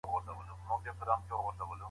ليکوالانو د ټولني ستونزو ته ښه انعکاس ورکړی دی.